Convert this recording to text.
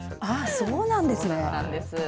そうなんです。